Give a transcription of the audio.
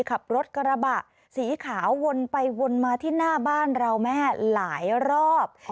ขับรถกระบะสีขาววนไปวนมาที่หน้าบ้านเราแม่หลายรอบ